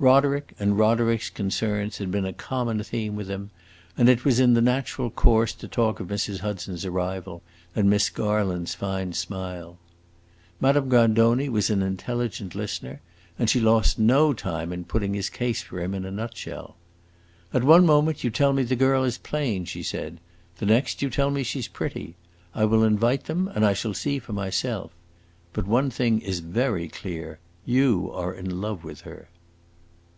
Roderick and Roderick's concerns had been a common theme with him, and it was in the natural course to talk of Mrs. Hudson's arrival and Miss Garland's fine smile. Madame Grandoni was an intelligent listener, and she lost no time in putting his case for him in a nutshell. "At one moment you tell me the girl is plain," she said; "the next you tell me she 's pretty. I will invite them, and I shall see for myself. But one thing is very clear: you are in love with her."